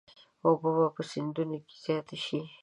اوبه به په سیندونو کې زیاتې شي.